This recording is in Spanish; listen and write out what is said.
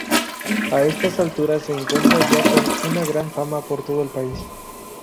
A estas alturas se encuentra ya con una gran fama por todo el país.